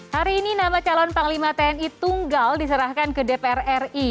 hari ini nama calon panglima tni tunggal diserahkan ke dpr ri